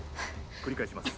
繰り返します。